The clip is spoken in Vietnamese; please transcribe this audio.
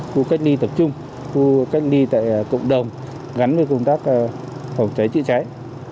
khu cách ly tập trung khu cách ly tại cộng đồng gắn với công tác phòng chống dịch covid một mươi chín